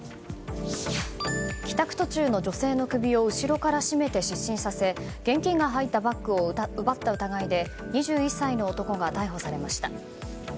帰宅途中の女性の首を後ろから絞めて失神させ現金が入ったバッグを奪った疑いで２１歳の男が逮捕されました。